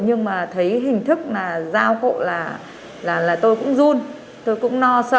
nhưng mà thấy hình thức là giao cộ là tôi cũng run tôi cũng no sợ